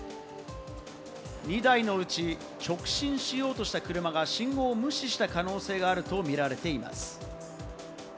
２台のうち直進しようとした車が信号を無視した可能性があると見られています。